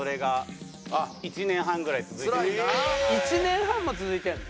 １年半も続いてんの？